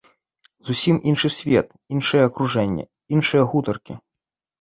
Зусім іншы свет, іншае акружэнне, іншыя гутаркі.